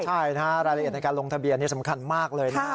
ใช่นะฮะรายละเอียดในการลงทะเบียนนี่สำคัญมากเลยนะ